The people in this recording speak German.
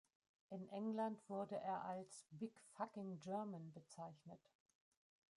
In England wurde er als „big fucking German“ bezeichnet.